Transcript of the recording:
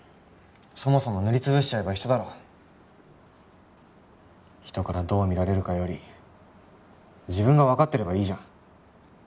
そもそも塗りつぶしちゃえば一緒だろ人からどう見られるかより自分が分かってればいいじゃん